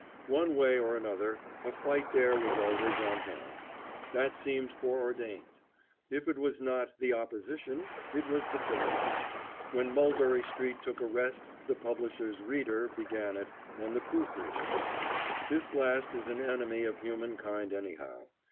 One way or another, a fight there was always on hand. That seemed foreordained. If it was not "the opposition" it was the police. When Mulberry Street took a rest the publisher's "reader" began it, and the proof reader. This last is an enemy of human kind anyhow.